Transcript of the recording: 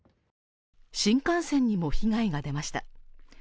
新幹線にも被害が出ました。